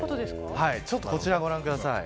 ちょっとこちらをご覧ください。